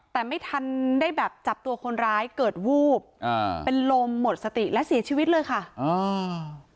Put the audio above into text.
แต่ไม่ทันได้แบบจับตัวคนร้ายเกิดวูบอ่าเป็นลมหมดสติและเสียชีวิตเลยค่ะอ่า